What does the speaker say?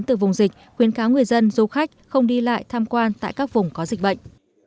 từ vùng dịch khuyến cáo người dân du khách không đi lại tham quan tại các vùng có dịch bệnh